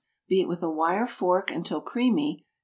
Beat with a wire fork until creamy.